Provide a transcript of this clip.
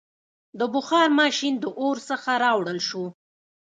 • د بخار ماشین د اور څخه راوړل شو.